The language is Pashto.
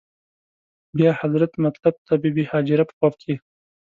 بیا حضرت مطلب ته بې بي هاجره په خوب کې.